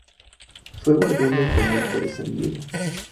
Fue guardián del convento de San Diego.